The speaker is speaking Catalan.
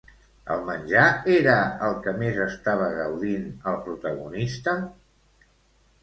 El menjar era el que més estava gaudint, el protagonista?